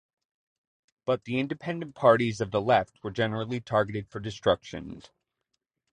But the independent parties of the left were generally targeted for destruction.